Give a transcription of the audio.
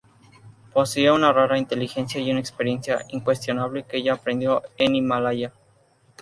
Poseía una rara inteligencia y una experiencia incuestionable que ella aprendió en el Himalaya.